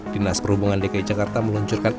dinas perhubungan dki jakarta meluncurkan enam uji